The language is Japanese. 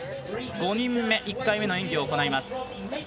５人目、１回目の演技を行います。